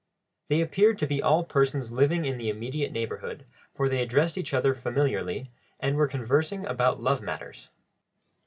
They appeared to be all persons living in the immediate neighbourhood, for they addressed each other familiarly and were conversing about love matters.